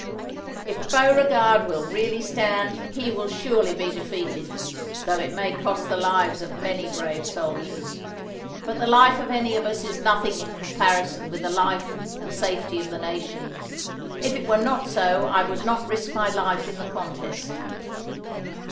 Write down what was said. "If Beauregard will really stand, he will surely be defeated, though it may cost the lives of many brave soldiers; but the life of any of us is nothing in comparison with the life and safety of the Nation. If it were not so I would not risk my life in the contest."